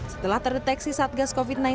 setelah terdeteksi satgas covid sembilan belas